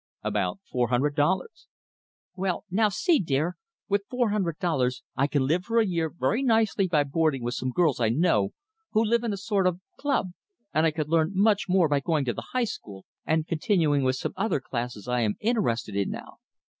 "About four hundred dollars." "Well now, see, dear. With four hundred dollars I can live for a year very nicely by boarding with some girls I know who live in a sort of a club; and I could learn much more by going to the High School and continuing with some other classes I am interested in now.